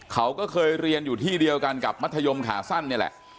เขาก็เคยเรียนอยู่ที่เดียวกันกับมัธยมขาสั้นนี่แหละ